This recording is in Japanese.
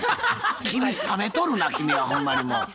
君冷めとるな君はほんまにもう。